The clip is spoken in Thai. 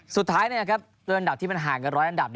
สุดท้ายด้วยอันดับที่มันห่างกันร้อยอันดับ